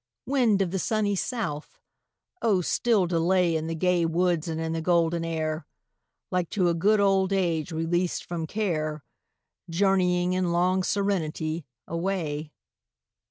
Wind of the sunny south! oh still delay In the gay woods and in the golden air, Like to a good old age released from care, Journeying, in long serenity, away.